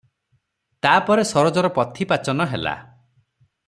ତା ପରେ ସରୋଜର ପଥି ପାଚନ ହେଲା ।